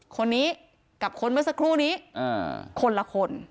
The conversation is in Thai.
คนนี้กับคนเมื่อสักครู่นี้คนละคน